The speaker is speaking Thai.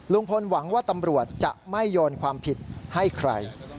หวังว่าตำรวจจะไม่โยนความผิดให้ใคร